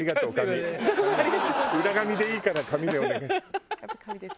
裏紙でいいから紙でお願いします。